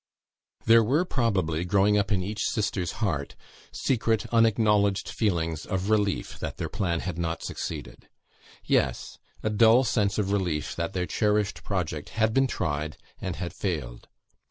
There were, probably, growing up in each sister's heart, secret unacknowledged feelings of relief, that their plan had not succeeded. Yes! a dull sense of relief that their cherished project had been tried and had failed.